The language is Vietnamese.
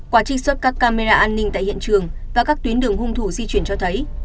qua trích xuất các camera an ninh tại hiện trường và các tuyến đường hung thủ di chuyển cho thấy